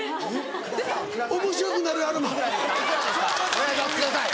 お願いしますください